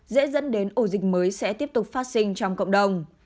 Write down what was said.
dễ dẫn đến ổ dịch mới sẽ tiếp tục phát sinh trong cộng đồng